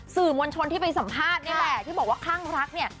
สื่อมวลชนที่ไปสัมภาษณ์นี่แหละที่บอกว่าคลั่งรักเนี่ย